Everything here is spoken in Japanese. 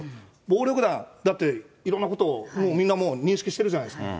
暴力団、だっていろんなことをもうみんなもう、認識してるじゃないですか。